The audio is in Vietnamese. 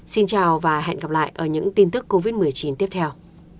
xin chào và hẹn gặp lại ở những tin tức covid một mươi chín tiếp theo